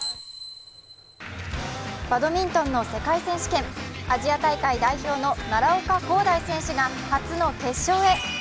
バドミントンの世界選手権アジア大会代表の奈良岡功大選手が初の決勝へ。